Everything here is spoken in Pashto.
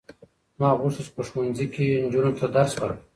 ما غوښتل چې په ښوونځي کې نجونو ته درس ورکړم.